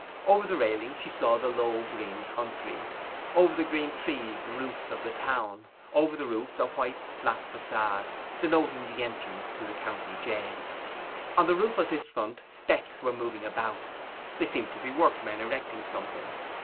Over the railing she saw the low green country; over the green trees the roofs of the town; over the roofs a white flat façade, denoting the entrance to the county jail. On the roof of this front specks were moving about; they seemed to be workmen erecting something.